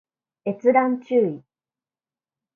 閲覧注意